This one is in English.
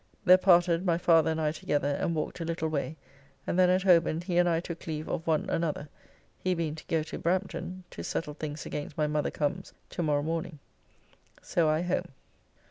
There parted, my father and I together, and walked a little way, and then at Holborn he and I took leave of one another, he being to go to Brampton (to settle things against my mother comes) tomorrow morning. So I home.